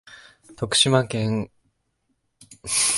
徳島県上勝町